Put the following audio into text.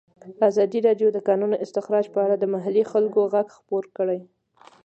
ازادي راډیو د د کانونو استخراج په اړه د محلي خلکو غږ خپور کړی.